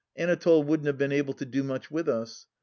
Anatole wouldn't have been able to do much with us.